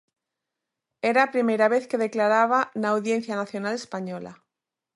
Era a primeira vez que declaraba na Audiencia Nacional española?